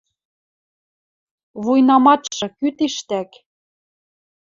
Вуйнаматшы кӱ тиштӓк?